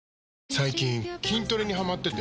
最近筋トレにハマってて。